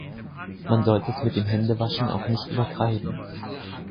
Man sollte es mit dem Händewaschen auch nicht übertreiben.